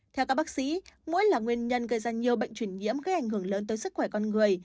theo các bác sĩ mũi là nguyên nhân gây ra nhiều bệnh chuyển nhiễm gây ảnh hưởng lớn tới sức khỏe con người